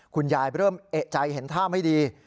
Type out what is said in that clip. คุณยายเริ่มเอะใจเห็นท่าไม่ดี